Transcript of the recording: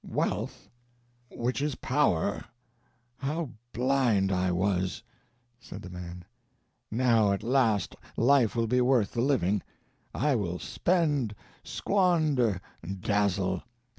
"Wealth which is power! How blind I was!" said the man. "Now, at last, life will be worth the living. I will spend, squander, dazzle.